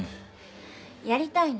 やりたいの？